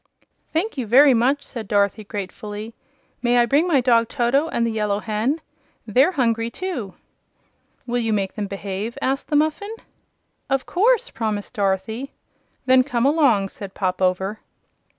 "Thank you very much," said Dorothy, gratefully. "May I bring my dog Toto, and the Yellow Hen? They're hungry, too." "Will you make them behave?" asked the Muffin. "Of course," promised Dorothy. "Then come along," said Pop Over.